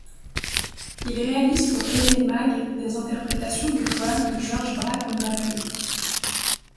Il réalise pour Aimé Maeght des interprétations de toiles de Georges Braque en gravure.